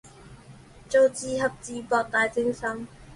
組字合字博大精深